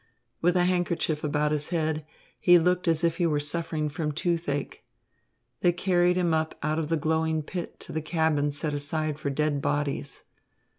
With the handkerchief about his head, he looked as if he were suffering from toothache. They carried him up out of the glowing pit to the cabin set aside for dead bodies.